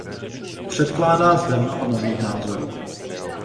Předkládá zde mnoho nových názorů.